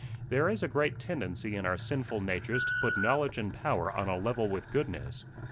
There is a great tendency in our sinful natures to put knowledge and power on a level with goodness.